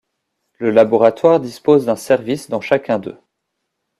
Le laboratoire dispose d'un service dans chacun d'eux.